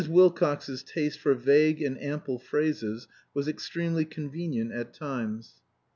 Wilcox's taste for vague and ample phrases was extremely convenient at times.